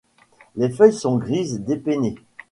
Les feuilles sont grises, bipennées.